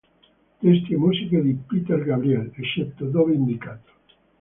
Testi e musiche di Peter Gabriel, eccetto dove indicato.